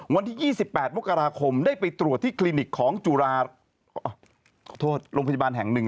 วันที่๒๘มกราคมได้ไปตรวจที่คลินิกของจุฬาหลังหนึ่ง